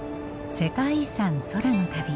「世界遺産空の旅」。